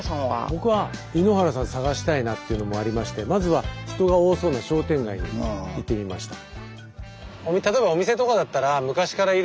僕は井ノ原さん探したいなっていうのもありましてまずは人が多そうな商店街に行ってみました。